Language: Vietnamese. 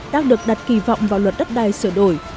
đang được đặt kỳ vọng vào luật đất đai sửa đổi